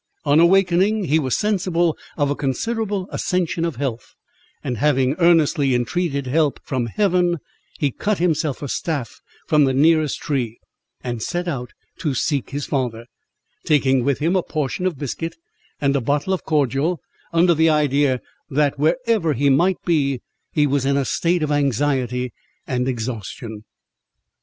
On awaking, he was sensible of a considerable accession of health; and having earnestly intreated help from Heaven, he cut himself a staff from the nearest tree, and set out to seek his father, taking with him a portion of biscuit, and a bottle of cordial, under the idea that wherever he might be, he was in a state of anxiety and exhaustion.